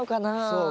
そう。